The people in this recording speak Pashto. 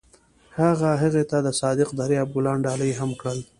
هغه هغې ته د صادق دریاب ګلان ډالۍ هم کړل.